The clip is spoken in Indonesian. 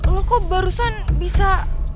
lo kok barusan bisa